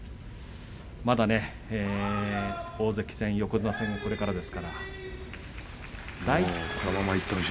まだ大関戦横綱戦はこれからです。